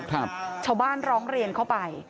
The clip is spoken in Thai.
ชาวบ้านร้องเรียนเข้าไป